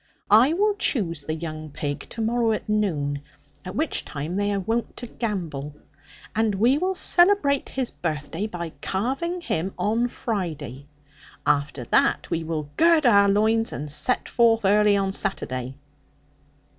I will choose the young pig to morrow at noon, at which time they are wont to gambol; and we will celebrate his birthday by carving him on Friday. After that we will gird our loins, and set forth early on Saturday.'